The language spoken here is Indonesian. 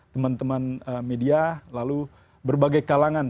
teman teman media lalu berbagai kalangan